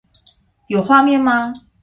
有畫面嗎